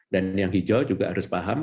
dan yang hijau juga harus paham